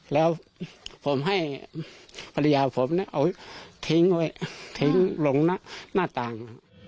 แล้วผมให้ภรรยาผมเนี่ยเอาทิ้งไว้ทิ้งลงหน้าต่าง